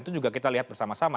itu juga kita lihat bersama sama